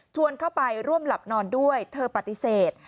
เข้าไปร่วมหลับนอนด้วยเธอปฏิเสธ